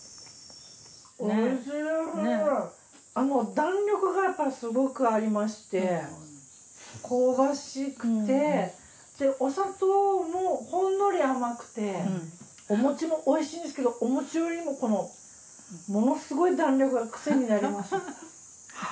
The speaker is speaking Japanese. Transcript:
弾力がやっぱりすごくありまして香ばしくてでお砂糖もほんのり甘くてお餅も美味しいんですけどお餅よりもこのものすごい弾力がクセになります。